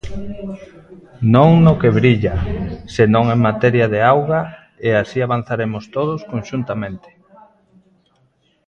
Non no que brilla, senón en materia de auga, e así avanzaremos todos conxuntamente.